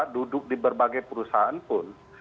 duduk di berbagai perusahaan pun